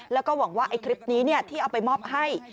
แล้วก็หวังว่าไอ้คลิปนี้ที่เอาไปมอบให้